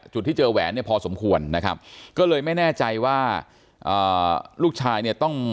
จุดที่เจอแหวนเนี่ยพอสมควรนะครับก็เลยไม่แน่ใจว่าอ่าลูกชายเนี่ยต้อง